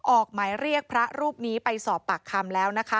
ออกหมายเรียกพระรูปนี้ไปสอบปากคำแล้วนะคะ